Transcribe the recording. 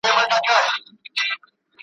دا بزم ازلي دی تر قیامته به پاتېږي ,